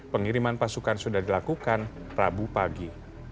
pengiriman pasukan sudah dilakukan rabu pagi